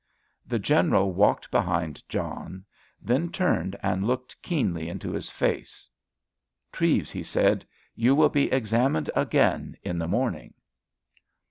The General walked behind John, then turned and looked keenly into his face. "Treves," he said, "you will be examined again in the morning."